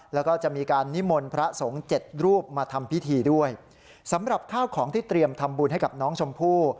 แล้วก็จะมีการนิมนต์พระสงฆ์เจ็ดรูปมาทำพิธีด้วยสำหรับข้าวของที่เตรียมทำบุญให้กับน้องชมพู่